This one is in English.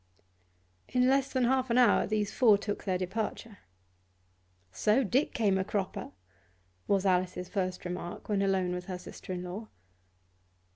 In less than half an hour these four took their departure. 'So Dick came a cropper!' was Alice's first remark, when alone with her sister in law.